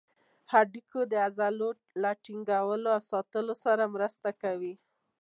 هډوکي د عضلو له ټینګولو او ساتلو سره مرسته کوي.